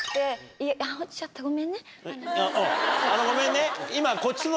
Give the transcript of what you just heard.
ごめんね今。